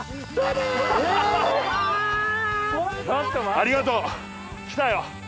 ありがとうきたよ。